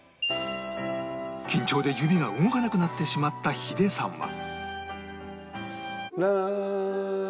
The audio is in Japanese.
緊張で指が動かなくなってしまったヒデさんは